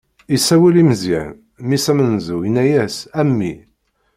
Isawel i Meẓyan, mmi-s amenzu, inna-yas: A mmi!